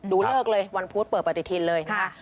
ดูเลิกเลยวันพุธเปิดประติธินเลย